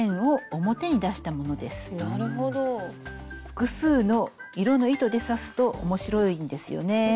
複数の色の糸で刺すと面白いんですよね。